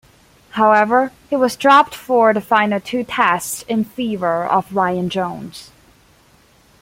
However, he was dropped for the final two tests in favour of Ryan Jones.